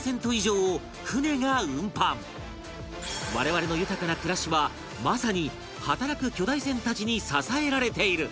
我々の豊かな暮らしはまさに働く巨大船たちに支えられている